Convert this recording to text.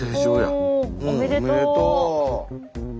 うんおめでとう。